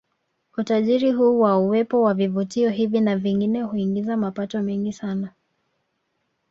Utajiri huu wa uwepo wa vivutio hivi na vingine huingiza mapato mengi sana